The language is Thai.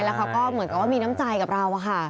แล้วก็เหมือนกับว่ามีน้ำใจกับเราอ่ะค่ะ